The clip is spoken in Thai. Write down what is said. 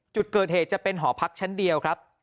จุดเกิดเหตุจะเป็นหอพักชั้นเดียวครับ